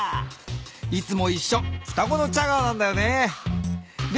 いつもいっしょふたごのチャガーなんだよね。